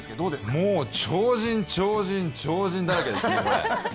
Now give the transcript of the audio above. もう超人、超人超人だらけです。